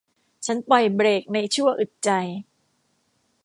ฉันปล่อยเบรคในชั่วอึดใจ